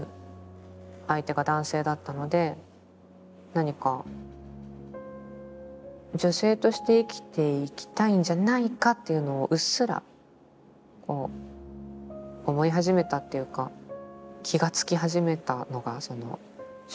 何か女性として生きていきたいんじゃないかっていうのをうっすら思い始めたっていうか気がつき始めたのが小学生ぐらいだったので。